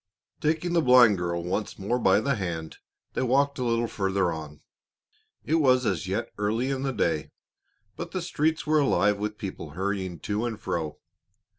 Taking the blind girl once more by the hand, they walked a little further on. It was as yet early in the day, but the streets were alive with people hurrying to and fro.